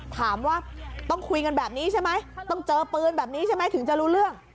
ถามว่าต้องคุยกันแบบนี้ใช่ไหมต้องเจอปืนแบบนี้ใช่ไหมถึงจะรู้เรื่อง